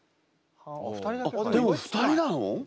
あっでも２人なの？